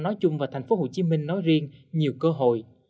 nói chung và thành phố hồ chí minh nói riêng nhiều cơ hội